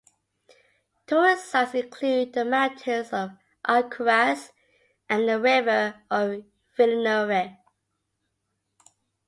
Tourist sights include the mountains of Alcaraz and the river of Villanueva.